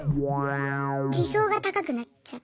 理想が高くなっちゃって。